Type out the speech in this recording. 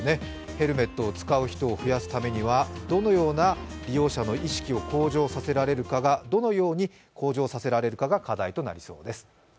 ヘルメットを使う人を増やすためには、どのように利用者の意識を向上させられるかが課題となりそうです。